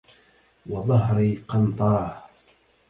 وظهري قنطرهْ